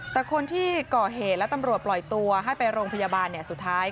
แต่คนที่ก่อเหตุและตำรวจปล่อยตัวให้ไปโรงพยาบาลสุดท้าย